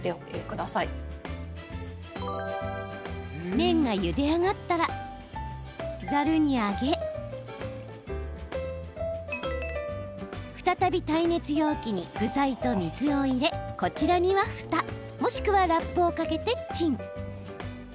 麺が、ゆで上がったらざるに上げ再び耐熱容器に具材と水を入れこちらには、ふたもしくはラップをかけてチン！